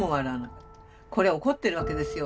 これは怒ってるわけですよ